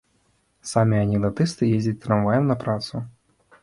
Самі анекдатысты ездзяць трамваем на працу.